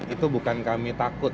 itu bukan kami takut